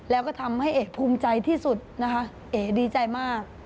แล้วก็ทำให้เอกภูมิใจที่สุดนะคะเอ๋ดีใจมาก